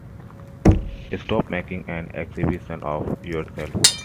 Stop making an exhibition of yourself!